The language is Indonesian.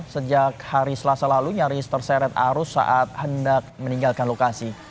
sejak hari selasa lalu nyaris terseret arus saat hendak meninggalkan lokasi